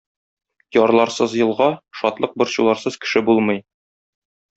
Ярларсыз елга, шатлык-борчуларсыз кеше булмый.